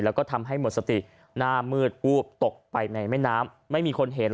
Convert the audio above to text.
แล้วก็ทำให้หมดสติหน้ามืดอู๊บตกไปในแม่น้ำไม่มีคนเห็น